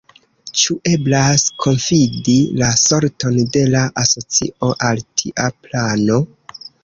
Ĉu eblas konfidi la sorton de la Asocio al tia plano?